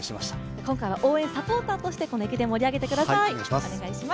今回は応援サポーターとして、この駅伝を盛り上げてください。